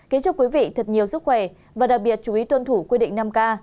kính chúc quý vị thật nhiều sức khỏe và đặc biệt chú ý tuân thủ quy định năm k